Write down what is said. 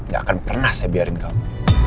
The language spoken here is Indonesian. gak akan pernah saya biarin kamu